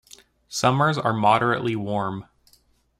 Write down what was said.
Summers are moderately warm.